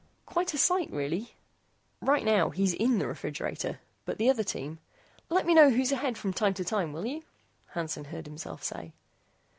Quite a sight, really. Right now he's in the refrigerator, but the other team " "Let me know who's ahead from time to time, will you?" Hansen heard himself say.